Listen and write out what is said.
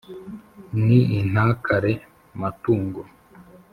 ni inkatare matungo,